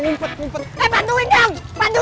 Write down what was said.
sampai jumpa di video selanjutnya